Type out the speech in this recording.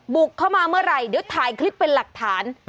บุกเข้ามาเมื่อไหร่เดี๋ยวถ่ายคลิปเป็นหลักฐาน